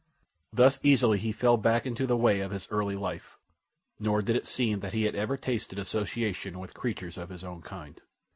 Thus easily he fell back into the way of his early life, nor did it seem that he had ever tasted association with creatures of his own kind.